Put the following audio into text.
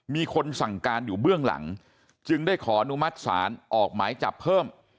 มีคนสั่งการอยู่เบื้องหลังจึงได้ขออนุมัติศาลออกหมายจับเพิ่ม